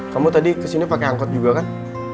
kamu tadi kesini pakai angkot juga kan